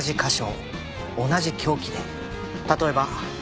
例えば。